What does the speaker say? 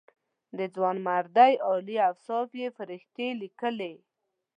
د ځوانمردۍ عالي اوصاف یې فرښتې لیکلې.